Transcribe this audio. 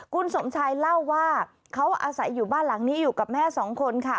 คุณสมชายเล่าว่าเขาอาศัยอยู่บ้านหลังนี้อยู่กับแม่สองคนค่ะ